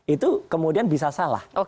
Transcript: itu kemudian bisa salah